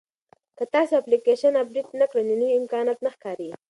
که تاسي اپلیکیشن اپډیټ نه کړئ نو نوي امکانات نه ښکاري.